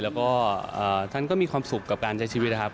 แล้วก็ท่านก็มีความสุขกับการใช้ชีวิตนะครับ